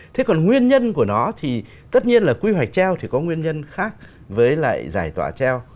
thế còn nguyên nhân của nó thì tất nhiên là quy hoạch treo thì có nguyên nhân khác với lại giải tỏa treo